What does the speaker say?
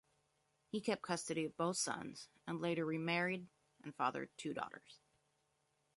He kept custody of both sons, and later remarried and fathered two daughters.